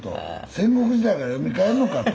戦国時代からよみがえるのかと。